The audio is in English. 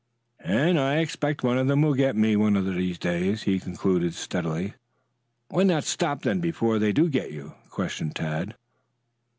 "And I expect one of them will get me one of these days," he concluded steadily. "Why not stop then before they do get you?" questioned Tad.